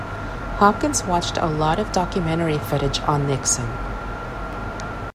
Hopkins watched a lot of documentary footage on Nixon.